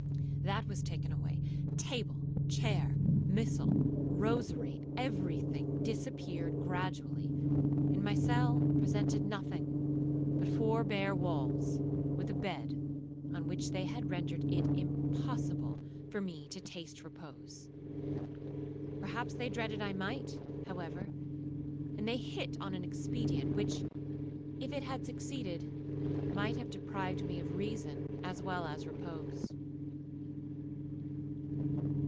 That was taken away,—table, chair, missal, rosary, every thing, disappeared gradually; and my cell presented nothing but four bare walls, with a bed, on which they had rendered it impossible for me to taste repose. Perhaps they dreaded I might, however, and they hit on an expedient, which, if it had succeeded, might have deprived me of reason as well as repose.